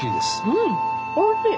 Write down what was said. うんおいしい。